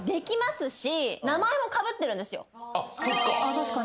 確かに。